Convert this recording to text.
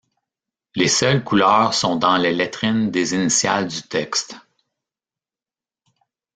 Les seules couleurs sont dans les lettrines des initiales du textes.